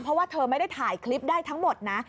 เพราะว่าเธอไม่ได้ถ่ายคลิปได้ทั้งหมดนะ